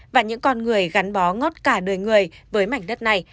và những con người gắn bó ngót cả đời người với mảnh đất này